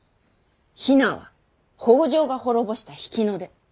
比奈は北条が滅ぼした比企の出。